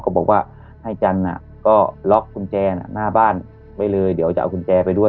เขาบอกว่าให้จันอ่ะก็ล็อกคุณแจน่ะหน้าบ้านไปเลยเดี๋ยวจะเอาคุณแจไปด้วย